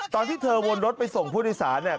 ตอนที่เธอวนรถไปส่งผู้โดยสารเนี่ย